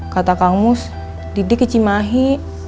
kata kang mus dik dik keci mahi